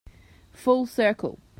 Full circle